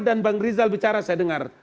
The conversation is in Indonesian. dan bang rizal bicara saya dengar